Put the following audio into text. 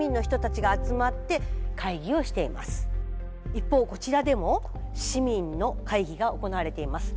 一方こちらでも市民の会議が行われています。